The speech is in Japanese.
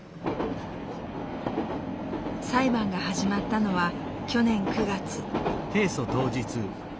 裁判が始まったのは去年９月。